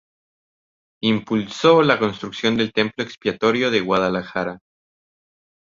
Impulsó la construcción del Templo Expiatorio de Guadalajara.